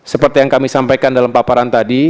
seperti yang kami sampaikan dalam paparan tadi